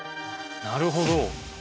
なるほど。